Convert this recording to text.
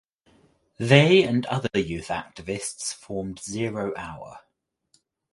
They and other youth activists formed Zero Hour.